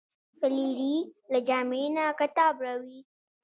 فلیریک له جامې نه کتاب راویوست.